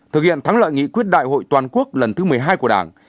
thực hiện thắng lợi nghị quyết đại hội toàn quốc lần thứ một mươi hai của đảng